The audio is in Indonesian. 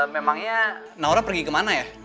memangnya naura pergi kemana ya